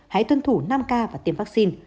hãy tuân thủ năm k và tiêm vaccine